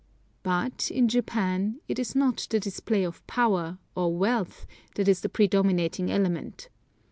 But, in Japan, it is not the display of power, or wealth, that is the predominating element.